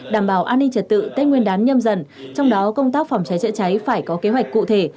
đảm bảo an ninh trật tự tết nguyên đán nhâm dần trong đó công tác phòng cháy chữa cháy phải có kế hoạch cụ thể